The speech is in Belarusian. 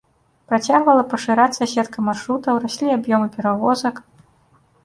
Працягвала пашырацца сетка маршрутаў, раслі аб'ёмы перавозак.